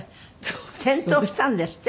転倒したんですって？